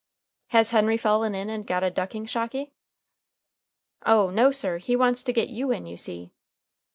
"Has Henry fallen in and got a ducking, Shocky?" "Oh! no, sir; he wants to git you in, you see."